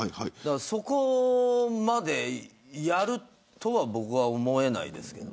そこまでやるとは僕は思えないです。